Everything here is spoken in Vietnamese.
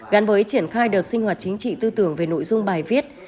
gắn với triển khai đợt sinh hoạt chính trị tư tưởng về nội dung bài viết